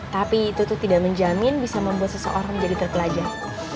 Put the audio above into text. tapi itu tuh tidak menjamin bisa membuat seseorang menjadi terpelajar